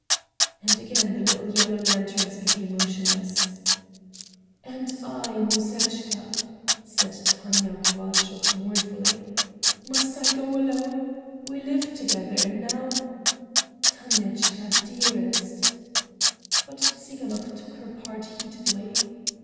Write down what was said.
And again the little yellow lanterns became motionless. "And I, Musechka," said Tanya Kovalchuk mournfully, "must I go alone? We lived together, and now—" "Tanechka, dearest—" But Tsiganok took her part heatedly.